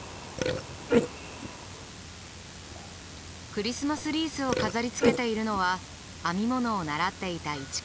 クリスマスリースを飾りつけているのは編み物を習っていた市川さん。